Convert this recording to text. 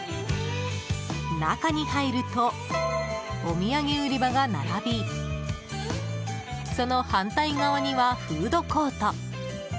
中に入るとお土産売り場が並びその反対側にはフードコート。